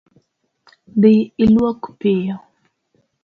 Dhii iluok piyo